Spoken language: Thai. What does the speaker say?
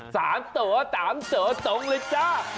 สารเต๋อต่ามเต๋อต่องเลยจ้ะ